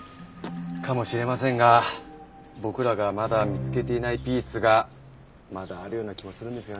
かもしれませんが僕らがまだ見つけていないピースがまだあるような気もするんですよね。